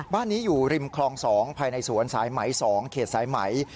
บ้านนี้อยู่ริมคลอง๒ภายในสวนสายไหม๒เขตสายไหม